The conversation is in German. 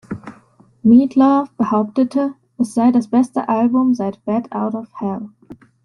Meat Loaf behauptete es sei „das beste Album seit "Bat Out of Hell"“.